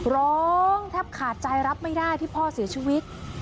ร้องแทบขาดใจรับไม่ได้ที่พ่อเสียชีวิต